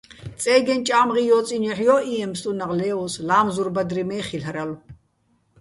წე́გეჼ ჭა́მღი ჲო́წინო̆ ჲოჰ̦ ჲო́ჸჲიეჼ ფსტუნაღ ლე́ოს, ლა́მზურ ბადრი მე́ ხილ'რალო̆.